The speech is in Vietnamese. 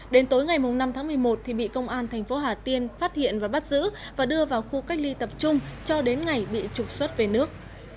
đến tối ngày năm tháng một mươi một thì bị công an thành phố hà tiên phát hiện và bắt giữ và đưa vào khu cách ly tập trung cho đến ngày bị trục xuất về nước